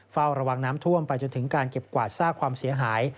เฝ้าระวังน้ำท่วมไปจนถึงการเก็บกวาดซากความเสียหาย